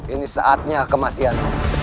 ini saatnya kematian